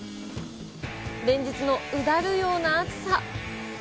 連日のうだるような暑さ。